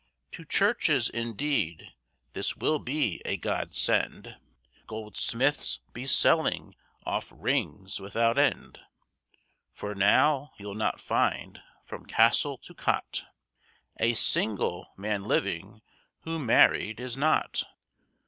To churches, indeed, this will be a God send, Goldsmiths be selling off rings without end; For now, you'll not find from castle to cot, A single man living who married is not!